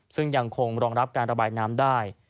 ซึ่งยังคงรองรับการระบายน้ำได้